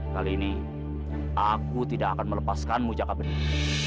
kali ini aku tidak akan melepaskanmu jaka bening